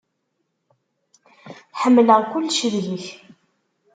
Ḥemmleɣ kullec deg-k.